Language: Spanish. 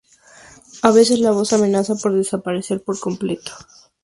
A veces la voz amenaza por desaparecer por completo.